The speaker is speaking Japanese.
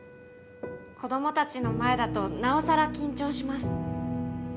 子どもたちの前だとなおさら緊張します。